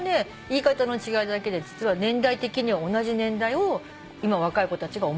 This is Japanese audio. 言い方の違いだけで実は年代的には同じ年代を今若い子たちが面白がってるという。